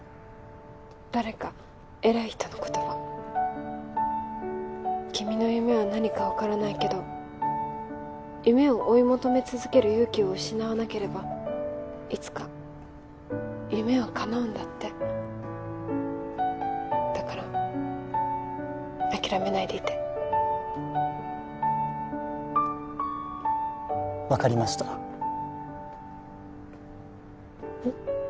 誰か偉い人の言葉君の夢は何か分からないけど夢を追い求め続ける勇気を失わなければいつか夢は叶うんだってだから諦めないでいて分かりましたうん？